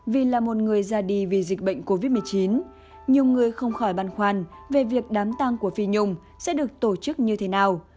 vì là một người ra đi vì dịch bệnh covid một mươi chín nhiều người không khỏi băn khoăn về việc đám tăng của phi nhung sẽ được tổ chức như thế nào